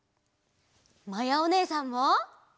まやおねえさんも！